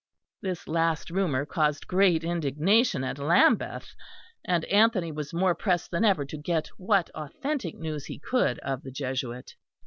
This last rumour caused great indignation at Lambeth, and Anthony was more pressed than ever to get what authentic news he could of the Jesuit.